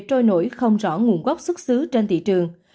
trôi nổi không rõ nguồn gốc xuất xứ trên thị trường